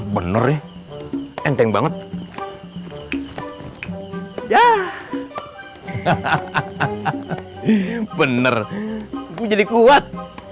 bener ya enteng banget ya hahaha bener menjadi kuat